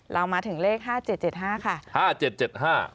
เรามาถึงเลข๕๗๕ค่ะ